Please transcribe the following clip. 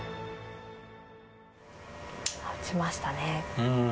あっ、打ちましたね。